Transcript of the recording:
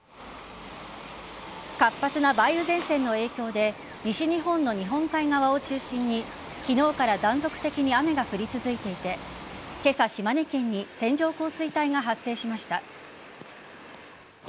活発な梅雨前線の影響で西日本の日本海側を中心に昨日から断続的に雨が降り続いていて今朝、島根県に線状降水帯が発生しました。